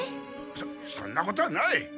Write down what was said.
そっそんなことはない！